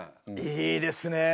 いいですね。